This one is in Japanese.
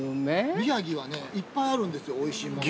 ◆宮城はね、いっぱいあるんですよ、おいしいものが。